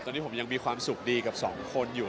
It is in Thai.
ตอนนี้ผมยังมีความสุขดีกับสองคนอยู่